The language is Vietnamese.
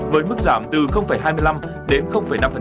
với mức giảm từ hai mươi năm đến năm